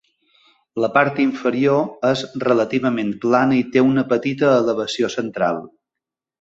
La part inferior és relativament plana i té una petita elevació central.